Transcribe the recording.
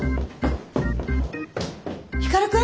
光くん！